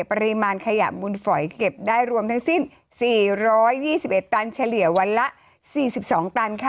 ปริมาณขยะมุนฝอยเก็บได้รวมทั้งสิ้น๔๒๑ตันเฉลี่ยวันละ๔๒ตันค่ะ